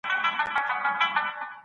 صدقه د مال پاکی ده.